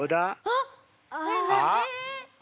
あっ！